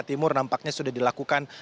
timur nampaknya sudah dilakukan